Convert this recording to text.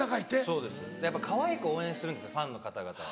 そうですやっぱかわいい子応援するんですファンの方々は。